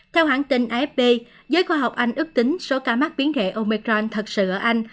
theo hãng tin afp giới khoa học anh ước tính số ca mắc biến gẹ omecron thật sự ở anh